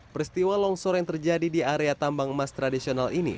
peristiwa longsor yang terjadi di area tambang emas tradisional ini